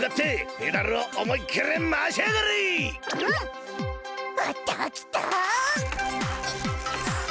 あったーきた！